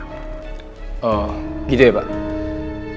nanti saya akan coba cari ke tempat yang dia sebut pak